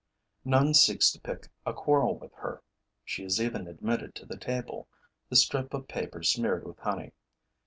None seeks to pick a quarrel with her. She is even admitted to the table, the strip of paper smeared with honey.